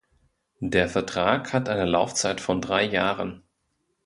Der Vertrag hat eine Laufzeit von drei Jahren.